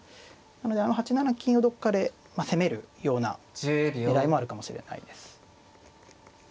なのであの８七金をどっかで攻めるような狙いもあるかもしれないです。